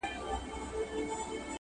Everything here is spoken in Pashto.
خو اختلاف لا هم شته ډېر